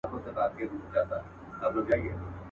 زېری راغی له هیواده چي تیارې به مو رڼا سي.